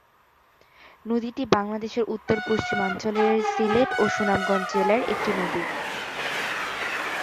নদীটি বাংলাদেশের উত্তর-পূর্বাঞ্চলের সিলেট ও সুনামগঞ্জ জেলার একটি নদী।